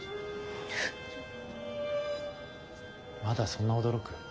まだそんな驚く？